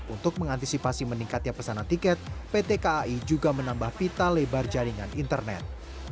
untuk mengantisipasi meningkatnya pesanan tiket pt kai juga menambah pita lebar jaringan internet